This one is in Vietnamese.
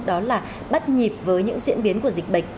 đó là bắt nhịp với những diễn biến của dịch bệnh